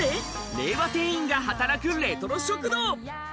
令和店員が働くレトロ食堂！